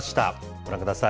ご覧ください。